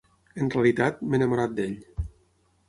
En realitat, m'he enamorat d'ell.